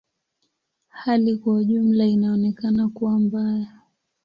Hali kwa ujumla inaonekana kuwa mbaya.